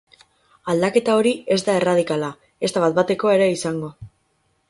Aldaketa hori ez da erradikala, ezta bat-batekoa ere izango.